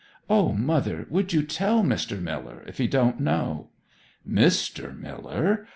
'O mother, would you tell Mr. Miller, if he don't know?' 'Mister Miller!